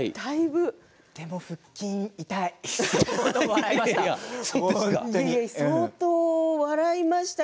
腹筋が痛い笑いました。